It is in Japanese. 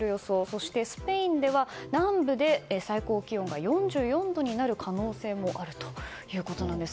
そして、スペインでは南部で最高気温が４４度になる可能性もあるということです。